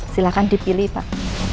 silahkan dipilih pak